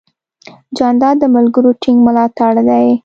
جانداد د ملګرو ټینګ ملاتړ دی.